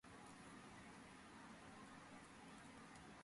მამის და სამწუხაროდ ფრანსისკომ გადაწყვიტა ესპანეთის არმიაში სამსახური.